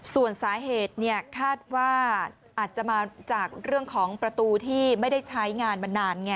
ส่วนสาเหตุคาดว่าอาจจะมาจากเรื่องของประตูที่ไม่ได้ใช้งานมานานไง